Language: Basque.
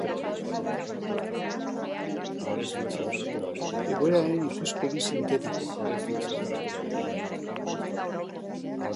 Egoeraren ikuspegi sintetikoa.